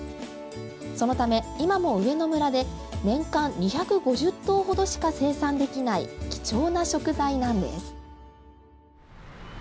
そのため今も上野村で年間２５０頭ほどしか生産できない貴重な食材なんです